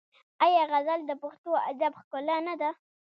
آیا غزل د پښتو ادب ښکلا نه ده؟